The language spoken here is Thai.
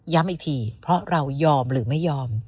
อีกทีเพราะเรายอมหรือไม่ยอม